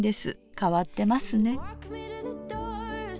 変わってますね」。